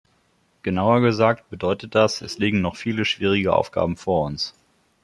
Genauer gesagt bedeutet das, es liegen noch viele schwierige Aufgaben vor uns.